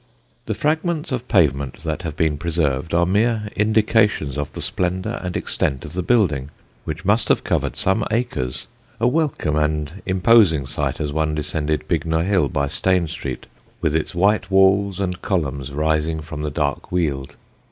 The fragments of pavement that have been preserved are mere indications of the splendour and extent of the building, which must have covered some acres a welcome and imposing sight as one descended Bignor Hill by Stane Street, with its white walls and columns rising from the dark weald.